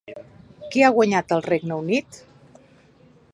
Qui ha guanyat al Regne Unit?